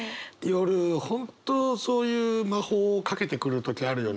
夜本当そういう魔法をかけてくる時あるよね。